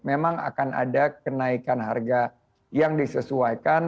memang akan ada kenaikan harga yang disesuaikan